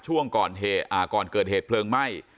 ช่วงก่อนเกิดเหตุเพลิงไหม้